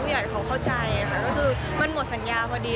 ใหญ่เขาเข้าใจค่ะก็คือมันหมดสัญญาพอดี